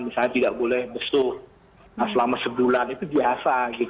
misalnya tidak boleh besuh selama sebulan itu biasa